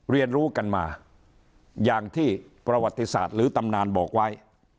เรียนรู้กันมาอย่างที่ประวัติศาสตร์หรือตำนานบอกไว้